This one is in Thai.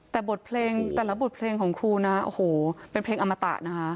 แต่บทเพลงแต่ละบทเพลงของครูนะโอ้โหเป็นเพลงอมตะนะคะ